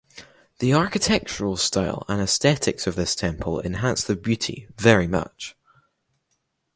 The architectural style and aesthetics of this temple enhance the beauty very much.